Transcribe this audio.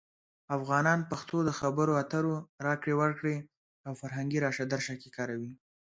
افغانان پښتو د خبرو اترو، راکړې ورکړې، او فرهنګي راشه درشه کې کاروي.